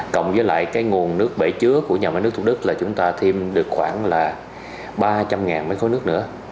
cộng với lại cái nguồn nước bể chứa của nhà máy nước thuộc đức là chúng ta thêm được khoảng là ba trăm linh mấy khối nước nữa